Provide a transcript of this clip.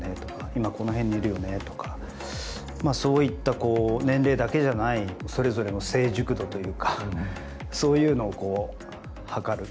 今、この辺にいるよねとかそういった、年齢だけじゃないそれぞれの成熟度というかそういうのを、こう測る。